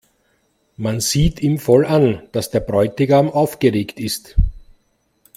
Man sieht ihm voll an, dass der Bräutigam aufgeregt ist.